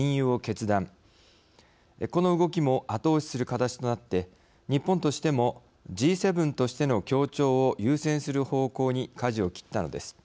この動きも後押しする形となって日本としてもＧ７としての協調を優先する方向にかじを切ったのです。